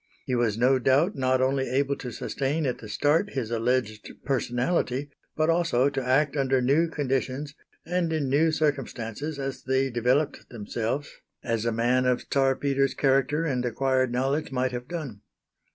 He was no doubt not only able to sustain at the start his alleged personality, but also to act under new conditions and in new circumstances as they developed themselves, as a man of Czar Peter's character and acquired knowledge might have done.